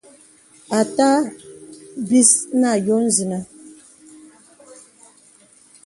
Àtâ bis nə àyo zinə.